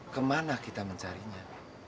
ke mana kita mencarinya